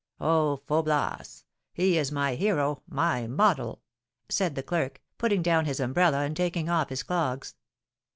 Oh, Faublas! he is my hero my model!" said the clerk, putting down his umbrella and taking off his clogs.